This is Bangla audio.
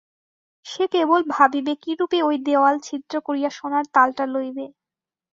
সে কেবল ভাবিবে কিরূপে ঐ দেওয়াল ছিদ্র করিয়া সোনার তালটা লইবে।